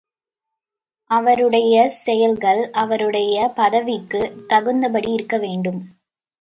அவருடைய செயல்கள் அவருடைய பதவிக்குத் தகுந்தபடி இருக்க வேண்டும்.